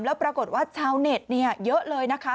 แล้วปรากฏว่าชาวเน็ตเยอะเลยนะคะ